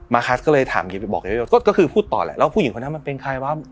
คัสก็เลยถามกิไปบอกเยอะก็คือพูดต่อแหละแล้วผู้หญิงคนนั้นมันเป็นใครวะ